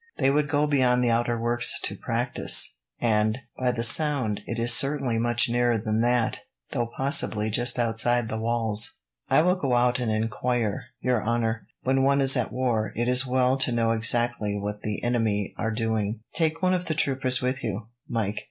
They would go beyond the outer works to practise, and, by the sound, it is certainly much nearer than that, though possibly just outside the walls." "I will go out and enquire, your honour. When one is at war, it is as well to know exactly what the enemy are doing." "Take one of the troopers with you, Mike.